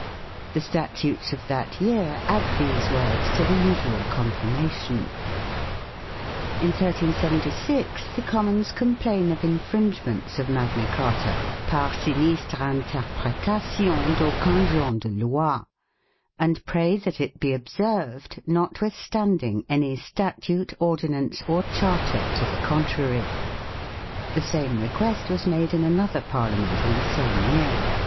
2 The statutes of that year add these words to the usual confirmation. 3 In 1376 the Commons complain of infringements of Magna Carta " par sinistrers interpretations d'ascuns gentz de Loi," and pray that it be observed, notwith standing any statute, ordinance, or charter to the contrary. 4 The same request was made in another Parliament in the same year.